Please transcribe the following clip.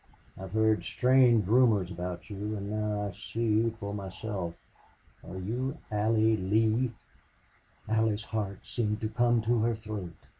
I've heard strange rumors about you, and now I see for myself. Are you Allie Lee?" Allie's heart seemed to come to her throat.